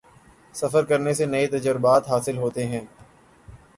سفر کرنے سے نئے تجربات حاصل ہوتے ہیں